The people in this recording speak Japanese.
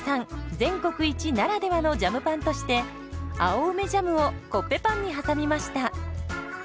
全国一ならではのジャムパンとして青梅ジャムをコッペパンに挟みました。